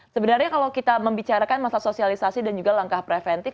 sebenarnya kalau kita membicarakan masalah sosialisasi dan juga langkah preventif